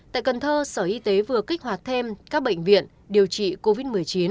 tại cần thơ sở y tế vừa kích hoạt thêm các bệnh viện điều trị covid một mươi chín